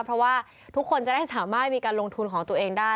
เพราะว่าทุกคนจะได้สามารถมีการลงทุนของตัวเองได้